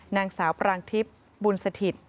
นางสาวปรางทิพย์บุญสถิต